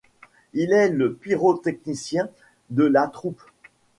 Il est le pyrotechnicien de la troupe.